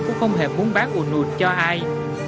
cũng không hề muốn bác unut cho ai